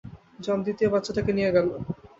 জন দ্বিতীয় বাচ্চাটাকে নিয়ে গেল।